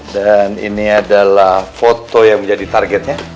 ini adalah foto yang menjadi targetnya